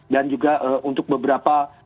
dan juga untuk beberapa